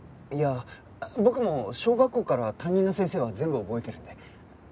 いや僕も小学校から担任の先生は全部覚えてるんで。